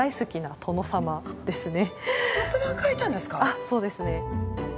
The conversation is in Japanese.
あっそうですね。